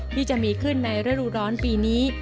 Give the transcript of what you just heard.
ที่จะมีขึ้นในฤดูร้อนปีนี้